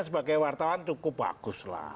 sebagai wartawan cukup bagus lah